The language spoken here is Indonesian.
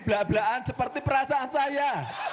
belak belakan seperti perasaan saya